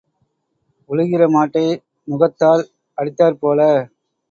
உழுகிற மாட்டை நுகத்தால் அடித்தாற் போல.